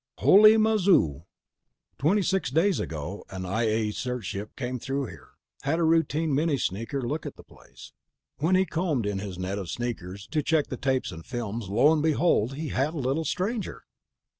"Holy mazoo!" "Twenty six days ago an I A search ship came through here, had a routine mini sneaker look at the place. When he combed in his net of sneakers to check the tapes and films, lo and behold, he had a little stranger."